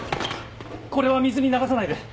これは水に流さないで。